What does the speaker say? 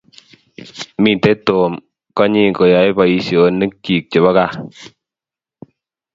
Mitei Tom konyi koyoei boisionikcho chebo gaa